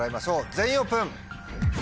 全員オープン。